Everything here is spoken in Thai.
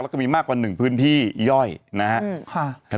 แล้วก็มีมากกว่า๑พื้นที่ย่อยนะครับ